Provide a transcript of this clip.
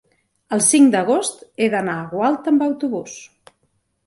el cinc d'agost he d'anar a Gualta amb autobús.